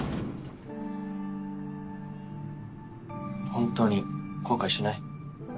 本当に後悔しない？